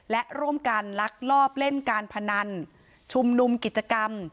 และร่วมกันลักลอบเล่นการพนันชุมนุมกิจกรรม